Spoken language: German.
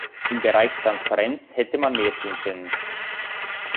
Im Bereich Transparenz hätte man mehr tun können.